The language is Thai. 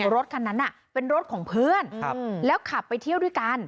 รถคันนั้นเป็นรถของเพื่อนแล้วขับไปเที่ยวด้วยกัน